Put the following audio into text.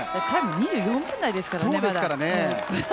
２４分台ですからね、まだ。